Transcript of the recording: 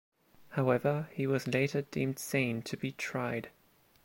However, he was later deemed sane to be tried.